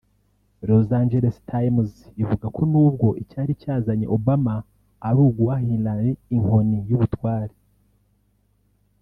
Los Angeles Times ivuga ko nubwo icyari cyazanye Obama ari uguha Hillary inkoni y’ubutware